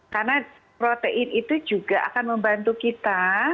karena protein itu juga akan membantu kita